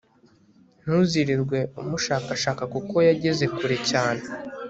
ntuzirirwe umushakashaka kuko yageze kure cyane